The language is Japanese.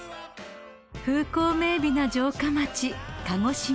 ［風光明媚な城下町鹿児島］